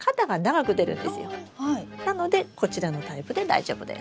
なのでこちらのタイプで大丈夫です。